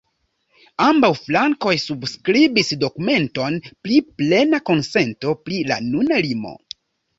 Ambaŭ flankoj subskribis dokumenton pri plena konsento pri la nuna limo.